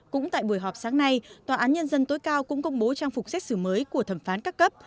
cũng tại buổi họp sáng nay tòa án nhân dân tối cao cũng công bố trang phục xét xử mới của thẩm phán các cấp